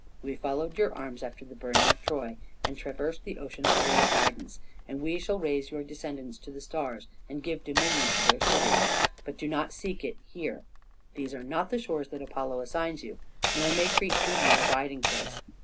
We followed your arms after the burning of Troy, and traversed the ocean under your guidance, and we shall raise your descendants to the stars and give dominion to their city. But do not seek it here. These are not the shores that Apollo assigns you, nor may Crete be your abiding place.